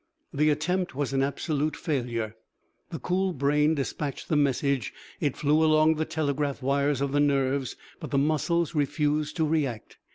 The attempt was an absolute failure. The cool brain dispatched the message, it flew along the telegraph wires of the nerves, but the muscles refused to react.